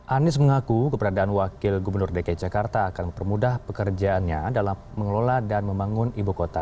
anies mengaku keberadaan wakil gubernur dki jakarta akan mempermudah pekerjaannya dalam mengelola dan membangun ibu kota